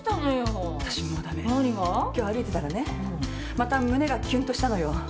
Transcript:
また胸がキュンとしたのよ。